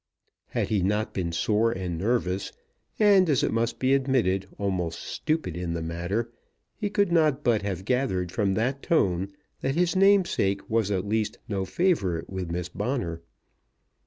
Had he not been sore and nervous, and, as it must be admitted, almost stupid in the matter, he could not but have gathered from that tone that his namesake was at least no favourite with Miss Bonner.